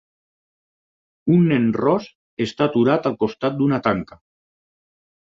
Un nen ros està aturat al costat d'una tanca.